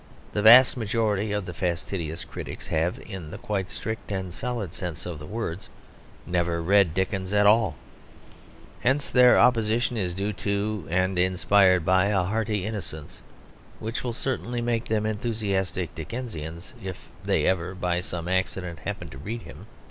The vast majority of the fastidious critics have, in the quite strict and solid sense of the words, never read Dickens at all; hence their opposition is due to and inspired by a hearty innocence which will certainly make them enthusiastic Dickensians if they ever, by some accident, happen to read him.